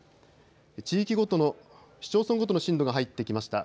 地域ごとの、市町村ごとの震度が入ってきました。